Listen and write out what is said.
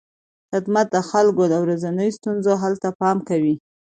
خدمت د خلکو د ورځنیو ستونزو حل ته پام کوي.